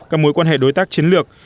các mối quan hệ đối tác chiến lược